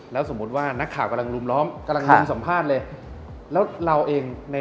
แล้วสมมุติว่านักข่าวกำลังรุมล้อมกำลังรุมสัมภาษณ์เลยแล้วเราเองใน